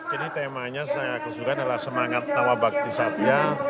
jadi temanya saya kesukaan adalah semangat tawabakti satya